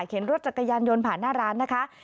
รถจักรยานยนต์ผ่านหน้าร้านนะคะ